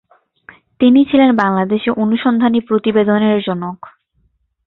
তিনি ছিলেন বাংলাদেশে অনুসন্ধানী প্রতিবেদনের জনক।